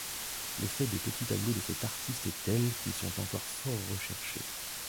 L’effet des petits tableaux de cet artiste est tel qu’ils sont encore fort recherchés.